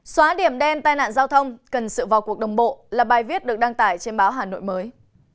xóa điểm đen tai nạn giao thông cần sự vào cuộc đồng bộ là bài viết được đăng tải trên báo hà nội mới